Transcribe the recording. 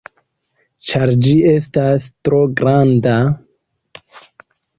Ĉar ĝi estas tro granda?